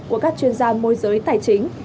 của các chuyên gia môi giới tài chính